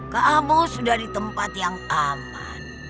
kamu sudah di tempat yang aman